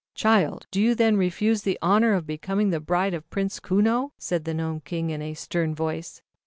" Child, do you then refuse the honor of becoming the bride of Prince Kuno?" said the Gnome King in a stern voice.